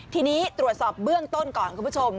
ทีนี้ตรวจสอบเบื้องต้นก่อนคุณผู้ชม